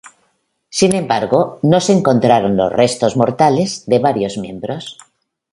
Sin embargo, no se encontraron los restos mortales de varios miembros.